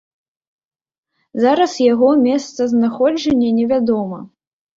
Зараз яго месцазнаходжанне невядома.